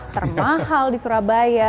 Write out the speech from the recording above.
termahal di surabaya